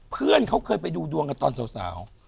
เพื่อนเขาเคยไปดูดวงกันตอนสาว